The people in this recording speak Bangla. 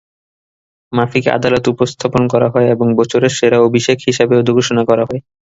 মাফিকে আদালতে উপস্থাপন করা হয় এবং বছরের সেরা অভিষেক হিসেবে ঘোষণা করা হয়।